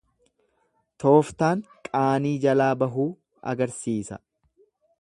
Tooftaan qaanii jalaa bahuu agarsiisa.